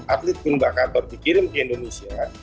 atlet poon bakator dikirim ke indonesia